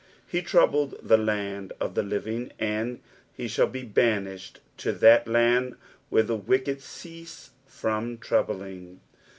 He troubled the land of the HvinE, and he shall be banished to that land where the wicked cease from troubling.